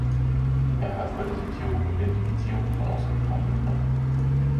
Er half bei der Sortierung und Identifizierung von ausgegrabenen Knochen.